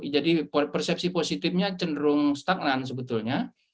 jadi persepsi positifnya cenderung stagnan sebetulnya